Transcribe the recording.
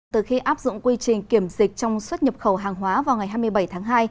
từ khi áp dụng quy trình kiểm dịch trong xuất nhập khẩu hàng hóa vào ngày hai mươi bảy tháng hai